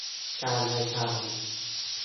กลางรายการ